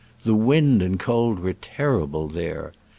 The wind and cold were terrible there.